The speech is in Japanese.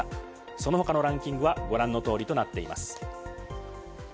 その他のランキングはご覧の通りとなっています。